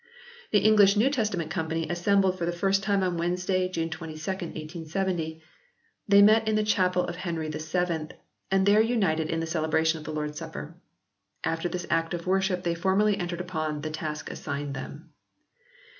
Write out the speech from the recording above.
The English New Testament Company assembled for the first time on Wednesday, June 22, 1870. They met in the Chapel of Henry VII, and there united in the celebration of the Lord s Supper. After this act of worship they formally entered upon the task assigned them.